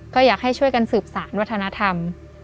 ก็อยากให้ช่วยกันสืบสารวัฒนธรรม